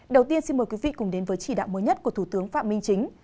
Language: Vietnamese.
đầu tiên xin mời quý vị cùng đến với chỉ đạo mới nhất của thủ tướng phạm minh chính